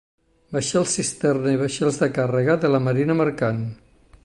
Vaixells cisterna i vaixells de càrrega de la marina mercant.